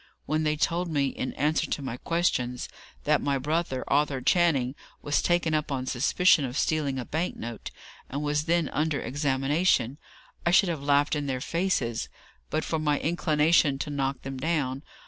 When they told me, in answer to my questions, that my brother, Arthur Channing, was taken up on suspicion of stealing a bank note, and was then under examination, I should have laughed in their faces, but for my inclination to knock them down.